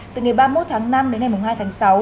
từ ngày ba mươi một tháng năm đến ngày hai tháng sáu